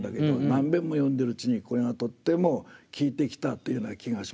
何べんも読んでるうちにこれがとっても効いてきたっていうような気がしました。